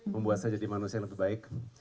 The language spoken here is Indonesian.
membuat saya jadi manusia yang lebih baik